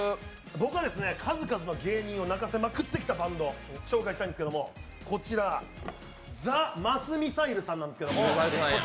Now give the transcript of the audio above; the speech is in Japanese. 僕は数々の芸人を泣かせまくってきたバンドを紹介したいんですけれども、こちらザ・マスミサイルさんなんですけれども。